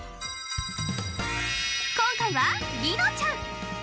今回はリノちゃん。